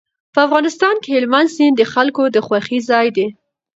په افغانستان کې هلمند سیند د خلکو د خوښې ځای دی.